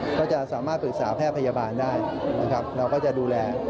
ก็จะสามารถปรึกษาแพทย์พยาบาลได้นะครับเราก็จะดูแล